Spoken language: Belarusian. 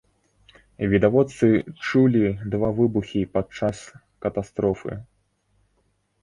Відавочцы чулі два выбухі падчас катастрофы.